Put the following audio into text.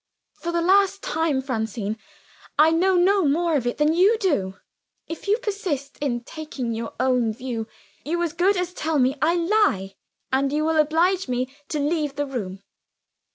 "For the last time, Francine I know no more of it than you do. If you persist in taking your own view, you as good as tell me I lie; and you will oblige me to leave the room."